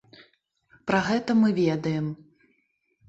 Пра гэта мы ведаем.